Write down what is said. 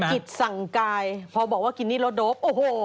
กิจสั่งกายพอบอกว่ากินนี่รถโดปโอ้โห